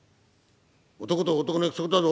男と男の約束だぞ！